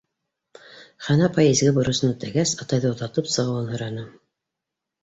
Хәнә апай изге бурысын үтәгәс, атайҙы оҙатып сығыуын һораны.